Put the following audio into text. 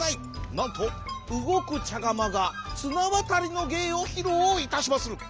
なんとうごくちゃがまがつなわたりのげいをひろういたしまする。